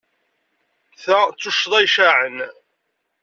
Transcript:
Ta d tuccḍa icaɛen.